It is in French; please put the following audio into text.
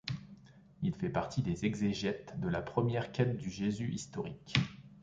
Il fait partie des exégètes de la première quête du Jésus historique.